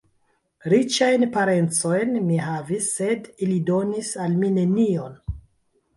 Riĉajn parencojn mi havis, sed ili donis al mi nenion.